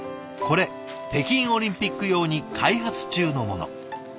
これ北京オリンピック用に開発中のもの。